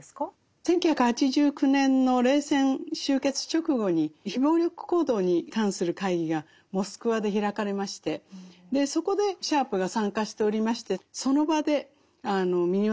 １９８９年の冷戦終結直後に非暴力行動に関する会議がモスクワで開かれましてそこでシャープが参加しておりましてその場でほう。